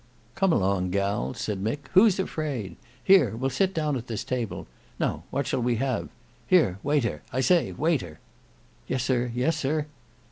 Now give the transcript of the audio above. "Come along gals," said Mick; "who's afraid? Here, we'll sit down at this table. Now, what shall we have? Here waiter; I say waiter!" "Yes, sir, yes, sir."